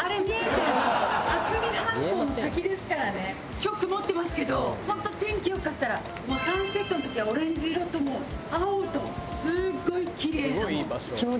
今日曇ってますけど本当天気良かったらもうサンセットの時はオレンジ色と青とすごいキレイなの。